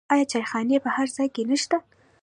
آیا چایخانې په هر ځای کې نشته؟